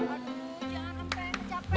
aduh jangan sampai capek